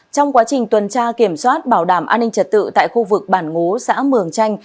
trong quá trình tuần tra kiểm soát bảo đảm an ninh trật tự tại khu vực bản ngố xã mường chanh